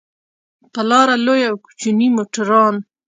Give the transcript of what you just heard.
پر لاره لوی او کوچني موټران.